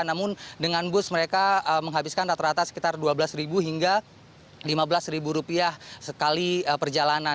namun dengan bus mereka menghabiskan rata rata sekitar dua belas hingga rp lima belas rupiah sekali perjalanan